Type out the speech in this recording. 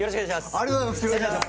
ありがとうございます。